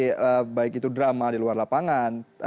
dari baik itu drama di luar lapangan